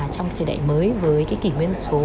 trong thời đại mới với kỹ nguyên số